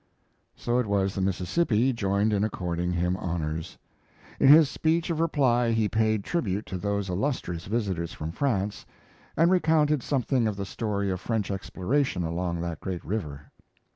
So it was, the Mississippi joined in according him honors. In his speech of reply he paid tribute to those illustrious visitors from France and recounted something of the story of French exploration along that great river.